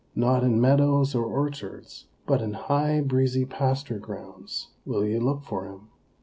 Not in meadows or orchards, but in high, breezy pasture grounds, will you look for him.